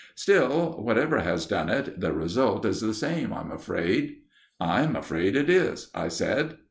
Still, whatever has done it, the result is the same, I'm afraid." "I'm afraid it is," I said.